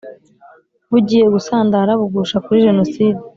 bugiye gusandara bugusha kuri jenoside,